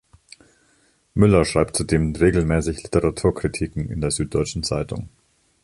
Müller schreibt zudem regelmäßig Literaturkritiken in der Süddeutschen Zeitung.